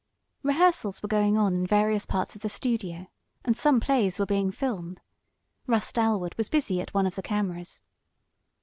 Rehearsals were going on in various parts of the studio, and some plays were being filmed. Russ Dalwood was busy at one of the cameras.